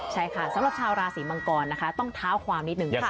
ใช่ค่ะสำหรับชาวราศีมังกรนะคะต้องเท้าความนิดนึงค่ะ